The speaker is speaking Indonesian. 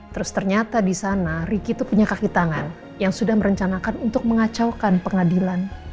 terus ternyata di sana ricky itu punya kaki tangan yang sudah merencanakan untuk mengacaukan pengadilan